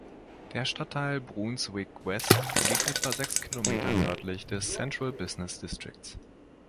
Der Stadtteil Brunswick West liegt etwa sechs Kilometer nördlich des „Central Business Districts“.